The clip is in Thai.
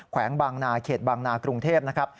แวงบางนาเขตบางนากรุงเทพนะครับ